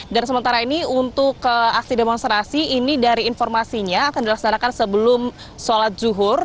dan sementara ini untuk aksi demonstrasi ini dari informasinya akan dilaksanakan sebelum sholat zuhur